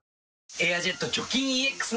「エアジェット除菌ＥＸ」